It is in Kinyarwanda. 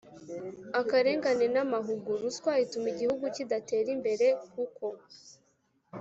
akarengane n’amahugu. Ruswa ituma igihugu kidatera imbere, kuko